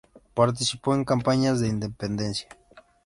Participó en campañas de independencia.